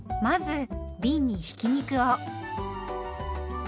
まずびんにひき肉を。